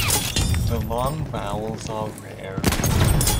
The long vowels are rare.